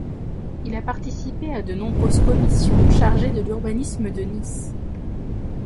Il a participé à de nombreuses commissions chargées de l'urbanisme de Nice.